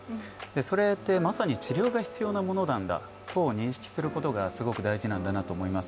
それってまさに治療が必要なものなんだ等認識することがすごく大事なんだなと思います。